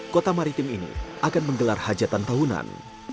kota maritim ini akan menggelar hajatan tahunan